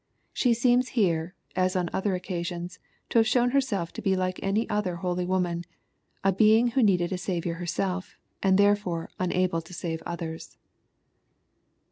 Shti seems here, as on other occasions, to have shown herself to be like other holy women, — ^a being who needed a Saviour herself, and therefore unable to save others.